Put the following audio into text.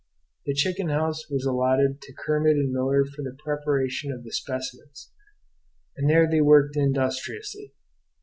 The chicken house was allotted to Kermit and Miller for the preparation of the specimens; and there they worked industriously.